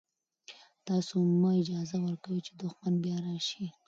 تاسو مه اجازه ورکوئ چې دښمن بیا راشي.